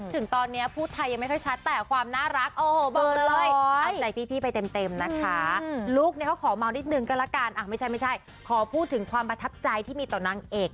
ถึงตอนเนี่ยพูดไทยยังไม่ชัดแต่ความน่ารัก